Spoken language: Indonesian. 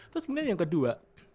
terus sebenarnya yang kedua